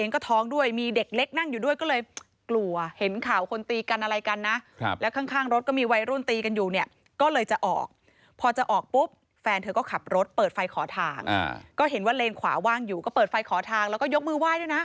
ก็เห็นว่าเลนขวาว่างอยู่ก็เปิดไฟขอทางแล้วก็ยกมือไหว้ด้วยนะ